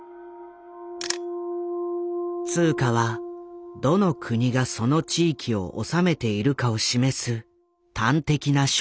通貨はどの国がその地域を治めているかを示す端的な証拠。